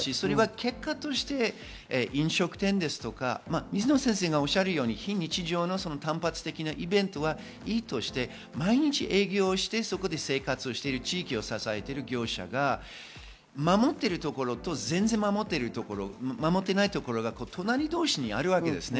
結果として飲食店とか、水野先生がおっしゃるように非日常の単発的なイベントはいいとして毎日営業して生活している地域を支えている業者が守っているところと守っていないところが隣同士にあるわけです。